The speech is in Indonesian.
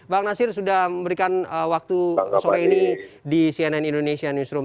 bang nasir sudah memberikan waktu sore ini di cnn indonesia newsroom